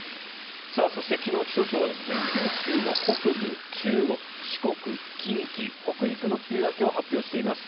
そして昨日、気象庁は九州の北部、中国、四国近畿、北陸の梅雨明けを発表しています。